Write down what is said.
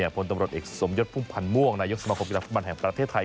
พลตำรวจเอกสมยภูมิพันธ์ม่วงนายกสมครบกีศาสตร์ประมาณแห่งประเทศไทย